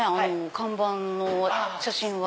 看板の写真は。